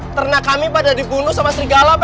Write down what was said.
dicakar sama manusia serigala